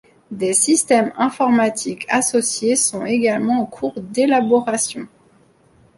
Des systèmes informatiques associés sont également en cours d'élaboration.